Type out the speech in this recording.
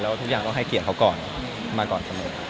แล้วทุกอย่างเราให้เกียรติเขาก่อนมาก่อน